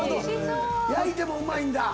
焼いてもうまいんだ。